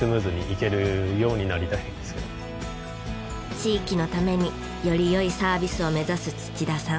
地域のためにより良いサービスを目指す土田さん。